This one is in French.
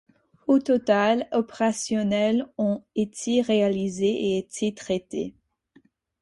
Au total, opérationnelles ont été réalisées et été traités.